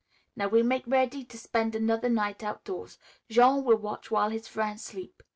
"Now we mak' ready to spen' another night outdoors. Jean will watch while his frien's sleep.